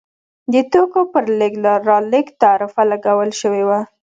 د توکو پر لېږد رالېږد تعرفه لګول شوې وه.